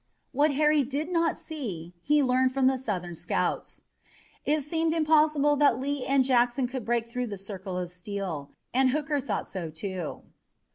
What Harry did not see he learned from the Southern scouts. It seemed impossible that Lee and Jackson could break through the circle of steel, and Hooker thought so, too.